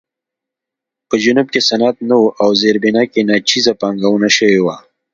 په جنوب کې صنعت نه و او زیربنا کې ناچیزه پانګونه شوې وه.